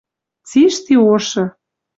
Цишти ошы